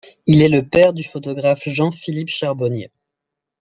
Il est le père du photographe Jean-Philippe Charbonnier.